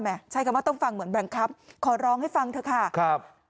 ใช้คำว่าต้องฟังเหมือนบังคับขอร้องให้ฟังเถอะค่ะครับ